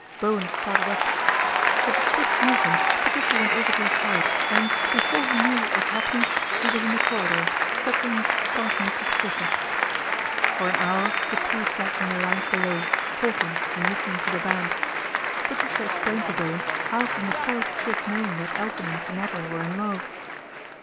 Bowen started up. With a swift movement Patricia went over to his side and, before he knew what was happening, he was in the corridor stuttering his astonishment to Patricia. 3io PATRICIA BRENT, SPINSTER For an hour the two sat in the lounge below, talking and listening to the band. Patricia ex plained to Bowen how from the first she had known that Elton and Tanagra were in love.